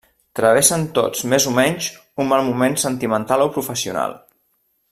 Travessen tots més o menys un mal moment sentimental o professional.